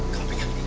kamu pegang ini